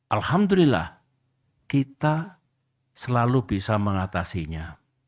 alhamdulillah kita selalu bisa mengatasinya